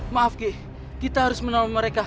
maaf ki kita harus menolong mereka